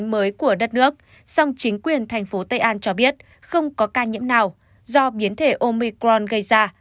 tổng cộng covid một mươi chín mới của đất nước song chính quyền thành phố tây an cho biết không có ca nhiễm nào do biến thể omicron gây ra